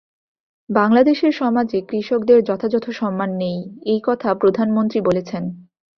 বাংলাদেশের সমাজে কৃষকদের যথাযথ সম্মান নেই, এই কথা প্রধানমন্ত্রী বলেছেন।